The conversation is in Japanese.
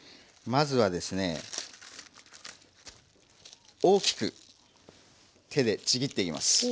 まずはですね大きく手でちぎっていきます。